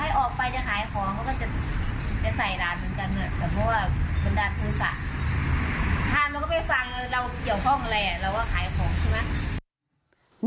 ทานแล้วก็ไปฟังเราก็เกี่ยวข้องอะไรเราก็ขายของใช่ไหม